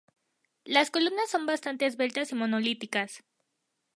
Las columnas son bastantes esbeltas y monolíticas.